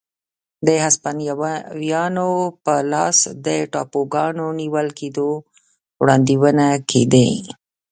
د هسپانویانو په لاس د ټاپوګانو نیول کېدو وړاندوېنې کېدې.